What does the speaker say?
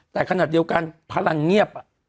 แต่ขนาดเดียวกันพลังเงียบ